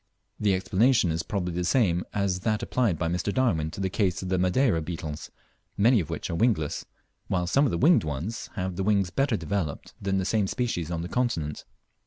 The explanation is probably the same as that applied by Mr. Darwin to the case of the Madeira beetles, many of which are wingless, while some of the winged ones have the wings better developed than the same species on the continent.